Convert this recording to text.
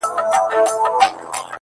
ځوان لگيا دی”